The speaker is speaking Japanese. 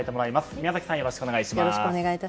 宮崎さん、よろしくお願いします。